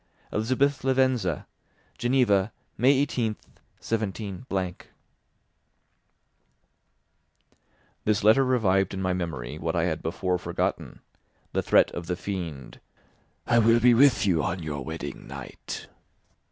"Elizabeth Lavenza. "Geneva, May 18th, 17—" This letter revived in my memory what I had before forgotten, the threat of the fiend—"_I will be with you on your wedding night!